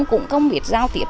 cũng không biết giao tiếp